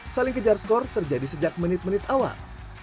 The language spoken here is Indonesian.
saling kejar skor terjadi sejak menit menit awal